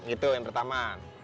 itu yang pertama